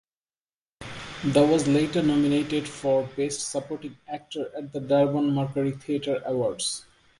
The was later nominated for Best Supporting Actor at the Durban Mercury Theatre Awards.